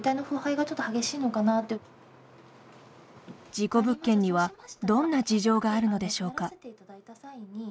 事故物件にはどんな事情があるのでしょうか。